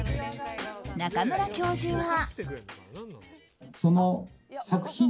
中村教授は。